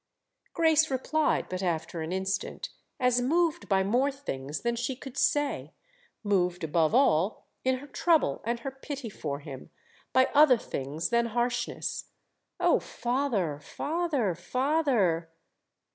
Grace replied but after an instant, as moved by more things than she could say—moved above all, in her trouble and her pity for him, by other things than harshness: "Oh father, father, father——!"